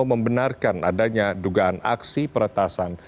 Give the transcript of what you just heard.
membenarkan adanya dugaan aksi peretasan